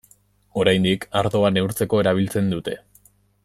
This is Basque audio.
Oraindik ardoa neurtzeko erabiltzen dute.